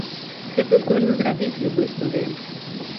Гэта здольны зрабіць любы студэнт.